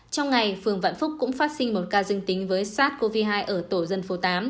trong ngày phường vạn phúc cũng phát sinh một ca dương tính với sars cov hai ở tổ dân phố tám